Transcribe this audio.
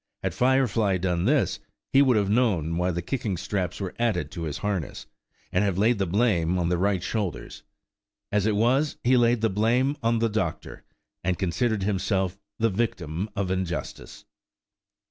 Had Firefly done this, he would have known why the kicking straps were added to his harness, and have laid the blame on the right shoulders. As it was, he laid the blame on the doctor, and considered himself the victim of injustice.